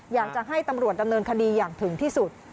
อยากจะให้ตำรวจดำเนินคดีอย่างถึงที่สุด